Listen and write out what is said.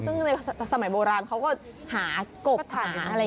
ซึ่งในสมัยโบราณเขาก็หากบหาอะไร